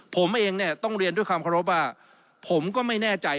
ผมเองเนี่ยต้องเรียนด้วยความเคารพว่าผมก็ไม่แน่ใจ